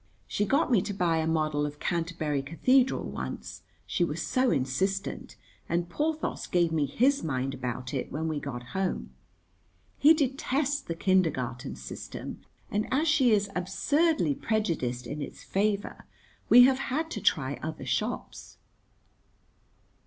She got me to buy a model of Canterbury Cathedral once, she was so insistent, and Porthos gave me his mind about it when we got home. He detests the kindergarten system, and as she is absurdly prejudiced in its favour we have had to try other shops.